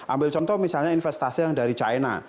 ambil contoh misalnya investasi yang dari china